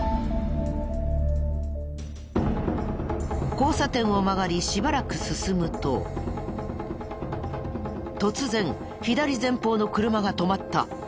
交差点を曲がりしばらく進むと突然左前方の車が止まった。